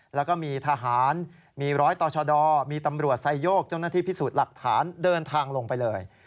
แล้วก็มีทหารมีร้อยต่อชดมีตำรวจไซโยกเจ้าหน้าที่พิสูจน์หลักฐานเดินทางลงไปเลย